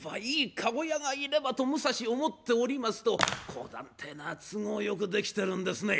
駕籠屋がいればと武蔵思っておりますと講談ってえのは都合よくできてるんですね。